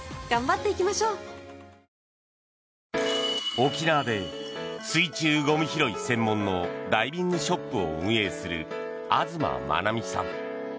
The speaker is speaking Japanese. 沖縄で水中ゴミ拾い専門のダイビングショップを運営する東真七水さん。